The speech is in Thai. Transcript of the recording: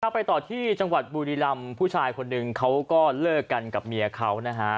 ไปต่อที่จังหวัดบุรีรำผู้ชายคนหนึ่งเขาก็เลิกกันกับเมียเขานะฮะ